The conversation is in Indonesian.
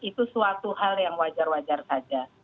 itu suatu hal yang wajar wajar saja